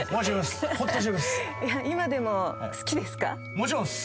「もちろんっす」